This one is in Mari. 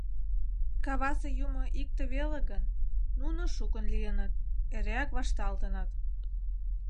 Кавасе юмо икте веле гын, нуно шукын лийыныт, эреак вашталтыныт.